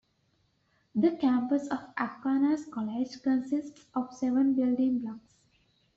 The campus of Aquinas College consists of seven building blocks.